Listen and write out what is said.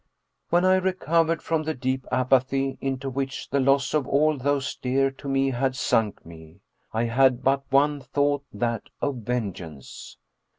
" When I recovered from the deep apathy into which the loss of all those dear to me had sunk me, I had but one thought, that of vengeance.